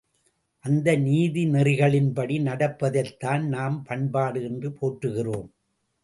அந்த நீதிநெறிகளின்படி நடப்பதைத்தான் நாம் பண்பாடு என்று போற்றுகிறோம்.